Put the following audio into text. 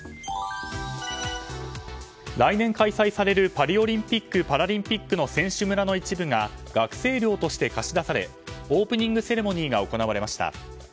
来年開催されるパリオリンピック・パラリンピックの選手村の一部が学生寮として貸し出されオープニングセレモニーが行われました。